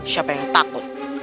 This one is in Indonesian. siapa yang takut